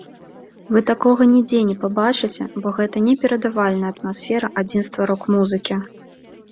Вы такога нідзе не пабачыце, бо гэта неперадавальная атмасфера адзінства рок-музыкі!